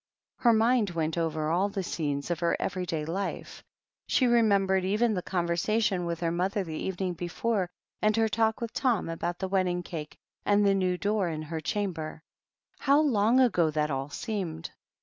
Her mind went oyer all the scenes of her eyery day life. She remembered eyen the conversation with her mother the evening before, and her talk with Tom about the wedding cake, and the new door in her chamber. How long ago that all seemed!